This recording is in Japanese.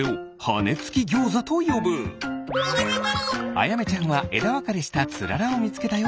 あやめちゃんはえだわかれしたつららをみつけたよ。